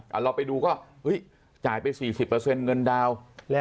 เอาเราไปดูก็จ่ายไป๔๐เงินดาวน์